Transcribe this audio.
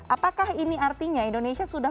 apakah ini artinya indonesia sudah